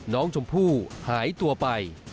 น้องชมพู่หายตัวไป